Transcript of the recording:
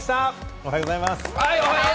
おはようございます。